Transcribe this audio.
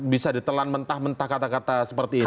bisa ditelan mentah mentah kata kata seperti ini